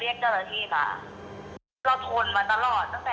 อิ้มทุกคนก็จะเกรงใจหมดอะไรอย่างเงี้ย